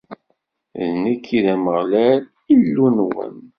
D nekk i d Ameɣlal, Illu-nwen.